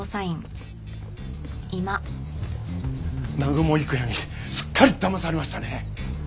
南雲郁也にすっかりだまされましたね。